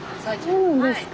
そうなんですか。